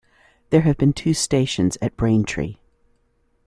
There have been two stations at Braintree.